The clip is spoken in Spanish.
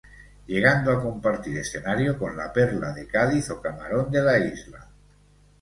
Llegando a compartir escenario con La Perla de Cádiz o Camarón de la Isla.